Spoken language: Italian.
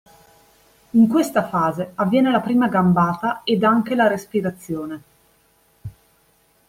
In questa fase avviene la prima gambata ed anche la respirazione.